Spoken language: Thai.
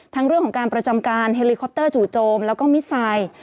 ทั้งเรื่องประจำการ๔เฮลิคอปเตอร์จู่โจมและมิสไซล์